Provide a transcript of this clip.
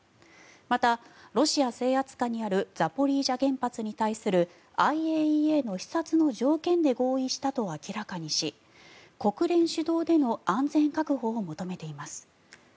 また、ロシア制圧下にあるザポリージャ原発に対するＩＡＥＡの視察の条件で合意したと明らかにし国連主導での安全確保を求めています。